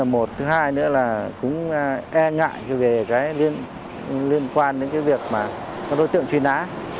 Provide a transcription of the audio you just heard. một thứ hai nữa là cũng e ngại về liên quan đến việc có đối tượng truy nã